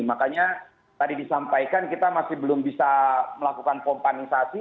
makanya tadi disampaikan kita masih belum bisa melakukan pompanisasi